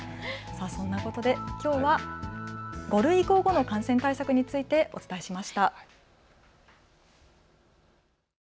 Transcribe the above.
きょうは５類移行後の感染対策についてお伝えしました。